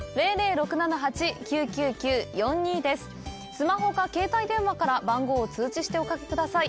スマホか携帯電話から番号を通知しておかけください。